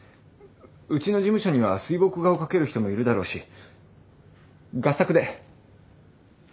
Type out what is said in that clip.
うちの事務所には水墨画を描ける人もいるだろうし合作で！